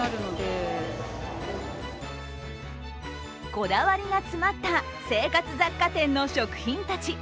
こだわりが詰まった生活雑貨店の食品たち。